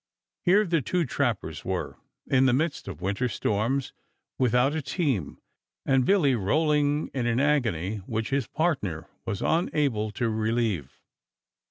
Here the two trappers were, in the midst of winter storms, without a team, and Billy rolling in an agony which his partner was unable to relieve.